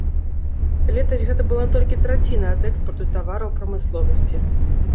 Летась гэта была толькі траціна ад экспарту тавараў прамысловасці.